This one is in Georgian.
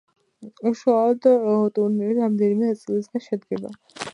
უშუალოდ ტურნირი რამდენიმე ნაწილისგან შედგება.